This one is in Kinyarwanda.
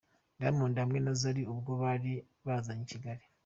Diamond hamwe na Zari ubwo bari bazanye i Kigali.